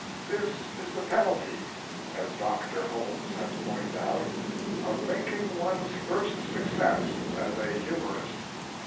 This is the penalty, as Dr. Holmes has pointed out, of making one's first success as a humorist.